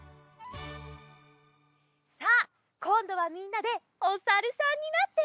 さあこんどはみんなでおさるさんになって。